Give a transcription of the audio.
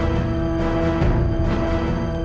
aku beli jaket ya